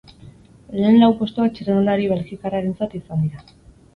Lehen lau postuak txirrindulari belgikarrentzat izan dira.